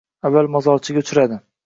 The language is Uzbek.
Avval mozorchiga uchradi.